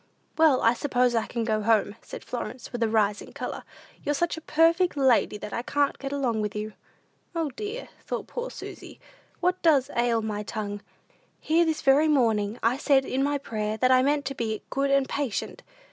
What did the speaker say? "Well, I suppose I can go home," said Florence, with a rising color; "you're such a perfect lady that I can't get along with you." "O, dear," thought poor Susy, "what does ail my tongue? Here this very morning I said in my prayer, that I meant to be good and patient."